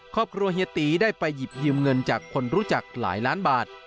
เฮียตีได้ไปหยิบยืมเงินจากคนรู้จักหลายล้านบาท